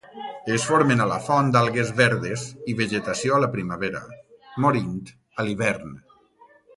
Es formen a la font algues verdes i vegetació a la primavera, morint a l'hivern.